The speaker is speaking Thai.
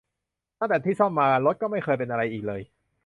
ตั้งแต่ที่ซ่อมมา รถก็ไม่เคยเป็นอะไรอีกเลย